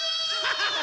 ハハハハ！